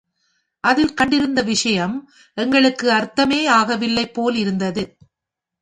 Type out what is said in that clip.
அதில் கண்டிருந்த விஷயம் எங்களுக்கு அர்த்தமே ஆகவில்லைபோல் இருந்தது.